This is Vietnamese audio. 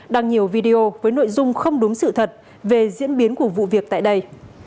đăng nhiều video với nội dung không đúng sự thật về diễn biến của vụ việc tại đây